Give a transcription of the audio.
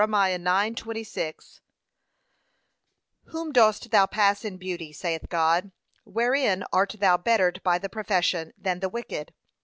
9:26) 'Whom dost thou pass in beauty,' saith God? wherein art thou bettered by the profession, than the wicked?